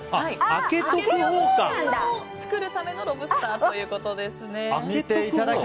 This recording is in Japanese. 隙間を作るためのロブスターということですね。